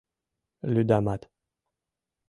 Лӱдамат.